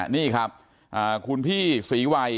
นี่ครับคุณพี่ศรีวัย